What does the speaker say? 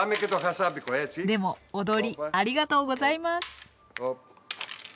でも踊りありがとうございます。